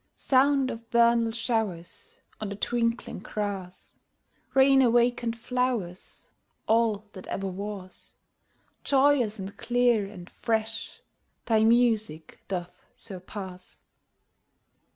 Sound of vernal showers On the twinkling grass, Rain awaken'd flowers, All that ever was, Joyous and clear and fresh, thy music doth surpass.